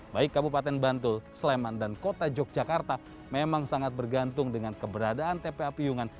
baik kabupaten bantul sleman dan kota yogyakarta memang sangat bergantung dengan keberadaan tpa piyungan